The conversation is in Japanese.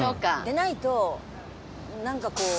でないとなんかこう。